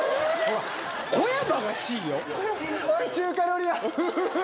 おい中華料理屋！